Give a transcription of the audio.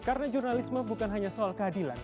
karena jurnalisme bukan hanya soal keadilan